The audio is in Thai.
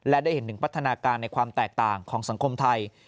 และได้เห็นถึงพัฒนาการในความแตกต่างของสังคมไทย